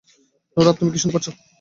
Nora, তুমি কি শুনতে পাচ্ছ?